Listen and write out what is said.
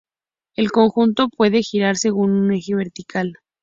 El conjunto puede girar según un eje vertical.